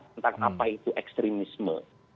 tentang apa itu ekstremisme